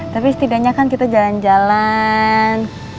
tapi setidaknya kan kita jalan jalan